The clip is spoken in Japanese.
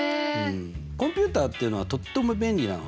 コンピューターっていうのはとっても便利なのね。